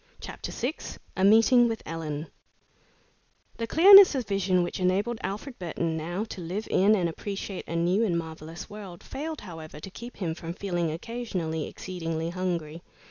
CHAPTER VI A MEETING WITH ELLEN The clearness of vision which enabled Alfred Burton now to live in and appreciate a new and marvelous world, failed, however, to keep him from feeling, occasionally, exceedingly hungry.